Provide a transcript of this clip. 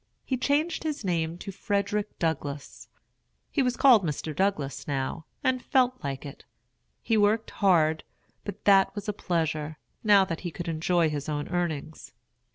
He changed his name to Frederick Douglass. He was called Mr. Douglass now, and felt like it. He worked hard, but that was a pleasure, now that he could enjoy his own earnings.